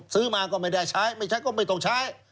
ซื้อมาก็ไม่ได้ใช้ไม่ใช้ก็ไม่ต้องใช้